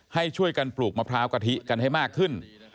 ให้ช่วยกันปลูกมะพร้าวกะทิกันให้มากขึ้น